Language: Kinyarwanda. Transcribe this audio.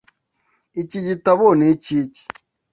Iki gitabo ni iki?